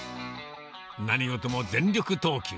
何事も全力投球。